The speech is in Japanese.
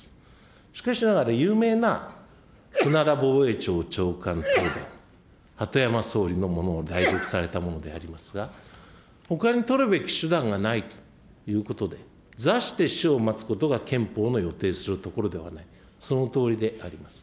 しかしながら有名なふなだ防衛庁長官の答弁、鳩山総理のものを代読されたものでありますが、ほかに取るべき手段がないということで、座して死を待つことが憲法のよていするところではない、そのとおりであります。